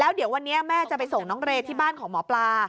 เดี๋ยววันนี้แม่จะไปส่งน้องเรย์ที่บ้านของหมอปลา